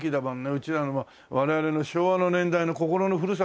うちらの我々の昭和の年代の心のふるさとですよ。